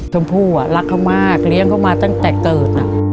ชมพู่รักเขามากเลี้ยงเขามาตั้งแต่เกิด